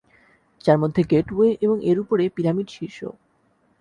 যার মধ্যে গেটওয়ে এবং এর উপরে পিরামিড শীর্ষ